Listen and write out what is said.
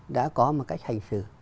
đã có một cách hành xử